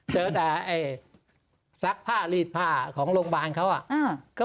ของเขายังรุ่นตรงนั้น